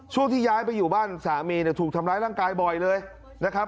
ที่ย้ายไปอยู่บ้านสามีเนี่ยถูกทำร้ายร่างกายบ่อยเลยนะครับ